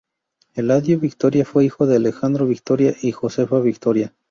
Eladio Victoria fue hijo de Alejandro Victoria y de Josefa Victoria.